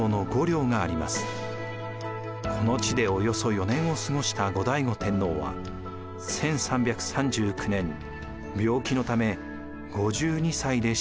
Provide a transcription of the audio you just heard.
この地でおよそ４年を過ごした後醍醐天皇は１３３９年病気のため５２歳で生涯を閉じました。